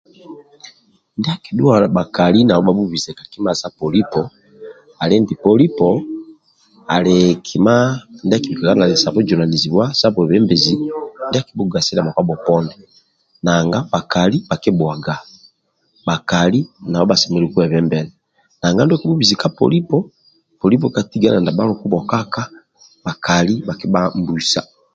Ndia akidhua bhakali nabho bhabhubise ka kima sa polipo ali nti polipo ali kima ndia akibikaga nali sa bujunanizibwa sa bwembezi ndia akibhugasilia bhakpa bhoponi nanga bhakali bhakibhuaga bhakali nabho bhasemelelu kwebembela nanga ndia kobhubisi ka polipo polipo katiga nail ndia bhaluku bhokaka bhakali bhakitiga mbusa